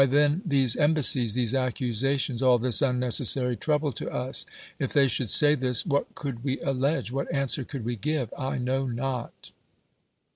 then, th;'se embassies, these accusations, all tliis unnecessary trouble to us?"" If they should say this, what could we allege? what answer could we give? I know not.